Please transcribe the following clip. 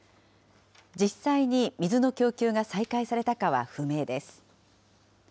実際に水の供給が再開されたかは不明です。